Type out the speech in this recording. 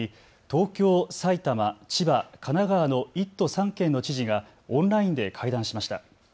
東京、埼玉、千葉、神奈川の１都３県の知事がオンラインで会談しました。